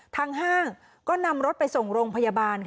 ห้างก็นำรถไปส่งโรงพยาบาล